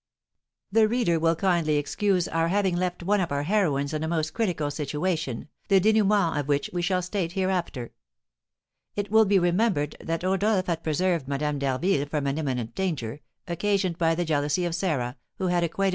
The reader will kindly excuse our having left one of our heroines in a most critical situation, the dénouement of which we shall state hereafter. It will be remembered that Rodolph had preserved Madame d'Harville from an imminent danger, occasioned by the jealousy of Sarah, who had acquainted M.